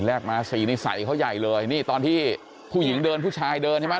มาสี่นิสัยเขาใหญ่เลยนี่ตอนที่ผู้หญิงเดินผู้ชายเดินใช่ไหม